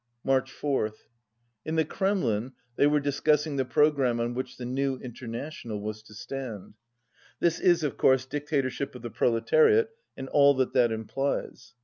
March 4th. In the Kremlin they were discussing the pro gramme on which the new International was to stand. This is, of course, dictatorship of the pro letariat and all that that implies.